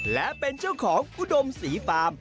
และเป็นเจ้าของอุดมศรีฟาร์ม